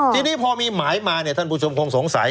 ทีนี้พอมีหมายมาเนี่ยท่านผู้ชมคงสงสัย